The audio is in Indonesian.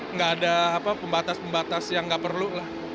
enggak ada pembatas pembatas yang enggak perlu